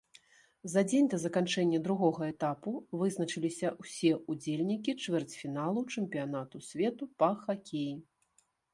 За дзень да заканчэння другога этапу вызначыліся ўсе ўдзельнікі чвэрцьфіналу чэмпіянату свету па хакеі.